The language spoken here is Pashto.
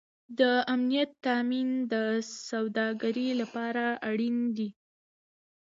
د امنیت تامین د سوداګرۍ لپاره اړین دی